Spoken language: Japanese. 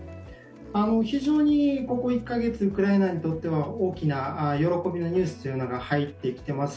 非常に、ここ１か月、ウクライナにとっては喜びの報道というのが多く入っています。